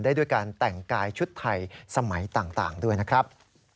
ได้ด้วยการแต่งกายชุดไทยสมัยต่างด้วยนะครับ